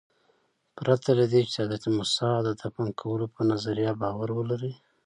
پرته له دې چې د حضرت موسی د دفن کولو په نظریه باور ولرئ.